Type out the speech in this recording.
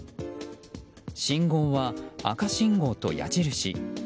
信号は赤信号と矢印。